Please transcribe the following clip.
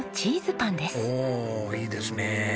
おおいいですね。